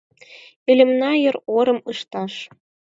Илемна йыр орым ышташ.